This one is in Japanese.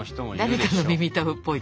誰かの耳たぶっぽい。